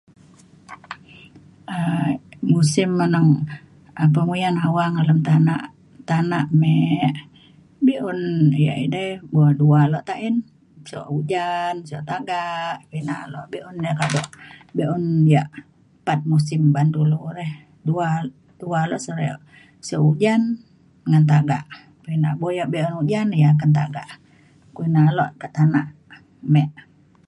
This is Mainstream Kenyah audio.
um musim anun anang penguyan awang tanak tanak mik be'un ya' edai bo dua le tain siuk ujan siuk tagak pina lo be'un ya kaduk be'un ya' pat musim ban dulu re dua dua le sik re ujan ngan tagak pina bo' ya be'un ujan ya akan tagak pina lo ke tanak mik